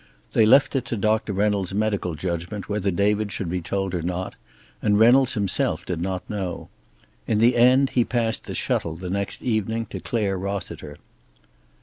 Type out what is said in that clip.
They left it to Doctor Reynolds' medical judgment whether David should be told or not, and Reynolds himself did not know. In the end he passed the shuttle the next evening to Clare Rossiter.